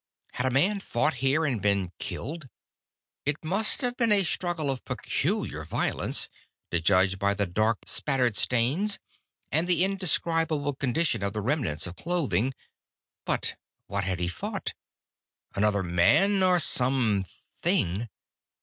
Had a man fought here and been killed? It must have been a struggle of peculiar violence, to judge by the dark spattered stains, and the indescribable condition of the remnants of clothing. But what had he fought? Another man, or some thing?